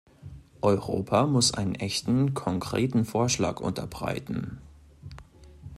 Europa muss einen echten, konkreten Vorschlag unterbreiten.